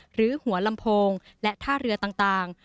หรือหัวลำโพงและท่าเรือต่าง